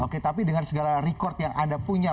oke tapi dengan segala record yang anda punya